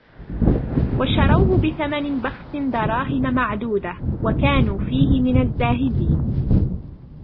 وشروه بثمن بخس دراهم معدودة وكانوا فيه من الزاهدين